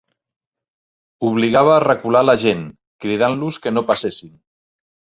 ...obligava a recular la gent, cridant-los que no passessin